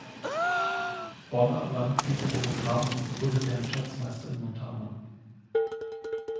Bonner war Mitglied der Demokraten und wurde deren Schatzmeister in Montana.